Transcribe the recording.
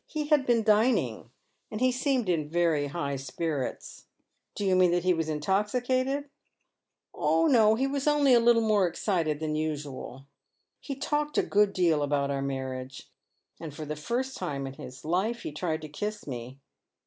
He had been dining, and he seemed in very high spirits." " Do you mean that he was intoxicated ?"" Oh no, he was only a little more excited than usual. He talked a good deal about our mamage, and for the first time in his life he tried to kiss me.